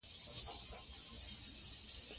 افغانستان د وګړي له امله شهرت لري.